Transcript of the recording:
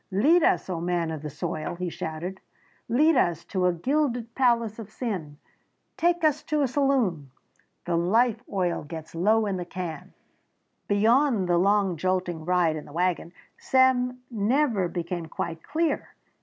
"Lead us, O man of the soil!" he shouted, "Lead us to a gilded palace of sin! Take us to a saloon! The life oil gets low in the can!" Beyond the long, jolting ride in the wagon Sam never became quite clear.